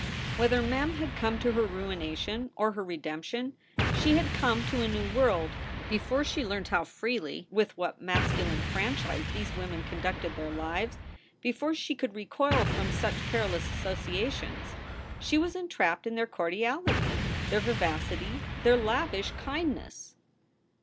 Whether Mem had come to her ruination or her redemp tion, she had come to a new world. Before she learned how freely, with what masculine franchise, these women con ducted their lives, before she could recoil from such perilous associations, she was entrapped in their cordiality, their vivacity, their lavish kindliness.